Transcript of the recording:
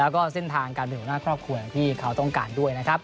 ขอบคุณที่เขาต้องการด้วยนะครับ